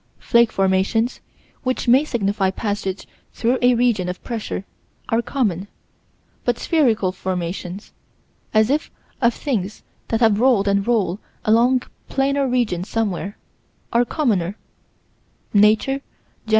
Flake formations, which may signify passage through a region of pressure, are common; but spherical formations as if of things that have rolled and rolled along planar regions somewhere are commoner: Nature, Jan.